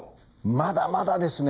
まだまだですね。